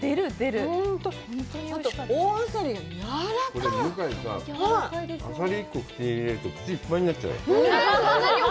向井さ、あさり１個口に入れると口いっぱいになっちゃうよ。